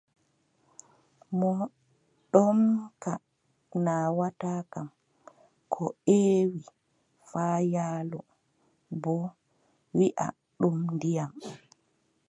Mo ɗomka naawata kam, koo ƴeewi faayaalo boo, wiʼa ɗum ndiyam.